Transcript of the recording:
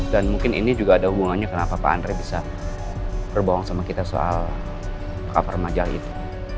dan mungkin ini juga ada hubungannya kenapa pak andre bisa berbohong sama kita soal kapal remaja itu